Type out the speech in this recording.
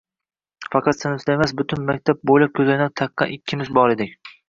Faqat sinfda emas, butun maktab bo'ylab ko'zoynak taqqan ikkimiz bor edik